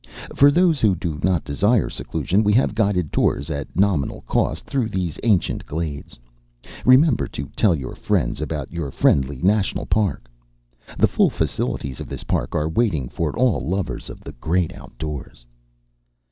For those who do not desire seclusion, we have guided tours at nominal cost through these ancient glades. Remember to tell your friends about your friendly national park. The full facilities of this park are waiting for all lovers of the great outdoors."